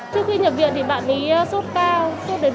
trước khi nhập viện thì bạn ấy giúp ta